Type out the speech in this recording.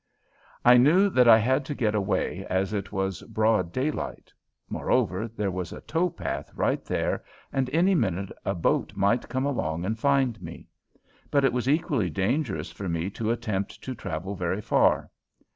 I knew that I had to get away, as it was broad daylight. Moreover, there was a towpath right there and any minute a boat might come along and find me. But it was equally dangerous for me to attempt to travel very far.